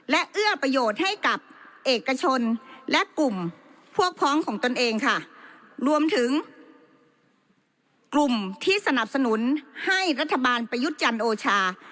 และเอื้อประโยชน์ให้กับเอกชนและกลุ่มพวกพ้องของตนเองค่ะรวมถึงกลุ่มที่สนับสนุนให้รัฐบาลประยุทธ์จันทร์โอชา